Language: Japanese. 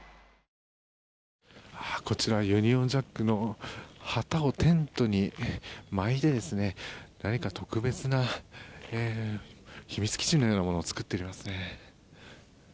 こちらユニオンジャックの旗をテントに巻いて、何か特別な秘密基地のようなものを作っていますね。